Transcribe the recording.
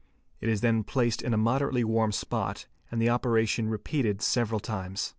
It is then placed in a moderately warm spot, and the operation repeated several times.